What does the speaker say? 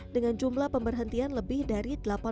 dengan jumlah pemberhentian lebih dari delapan puluh stasiun